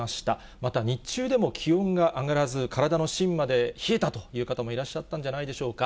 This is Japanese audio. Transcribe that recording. また日中でも気温が上がらず、体のしんまで冷えたという方もいらっしゃったんじゃないでしょうか。